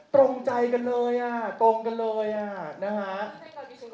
ตรงใจกันเลยอ่ะตรงกันเลยอ่ะนะฮะ